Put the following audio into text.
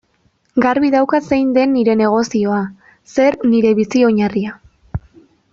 Garbi daukat zein den nire negozioa, zer nire bizi-oinarria.